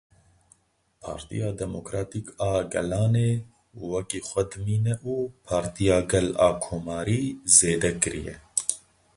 Partiya Demokratîk a Gelanê wekî xwe dimîne û Partiya Gel a Komarî zêde kiriye.